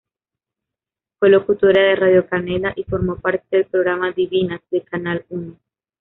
Fue locutora de Radio Canela y formó parte del programa "Divinas", de Canal Uno.